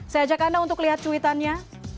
saya ajak anda untuk lihat cuitannya